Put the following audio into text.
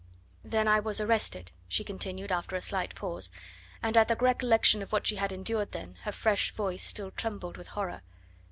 "Then I was arrested," she continued after a slight pause, and at the recollection of what she had endured then her fresh voice still trembled with horror.